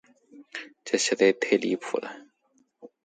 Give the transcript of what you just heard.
这实在是太离谱了。